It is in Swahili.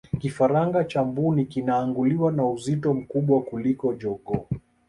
kifaranga cha mbuni kinaanguliwa na uzito mkubwa kuliko jogoo